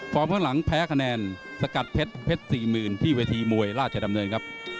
พร้อมเพื่อนหลังแพ้คะแนนสกัดเพชรเพชร๔๐๐๐๐ที่วีทีมวยราชดำเนินครับ